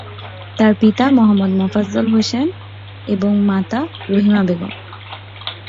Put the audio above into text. তার পিতা মোহাম্মদ মোফাজ্জল হোসেন এবং মাতা রহিমা বেগম।